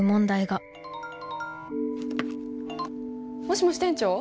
もしもし店長？